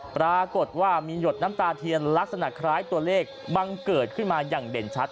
ปรากฏว่ามีหยดน้ำตาเทียนลักษณะคล้ายตัวเลขบังเกิดขึ้นมาอย่างเด่นชัด